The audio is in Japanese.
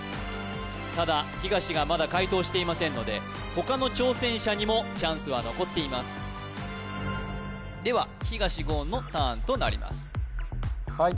ただ東がまだ解答していませんので他の挑戦者にもチャンスは残っていますでは東言のターンとなりますはい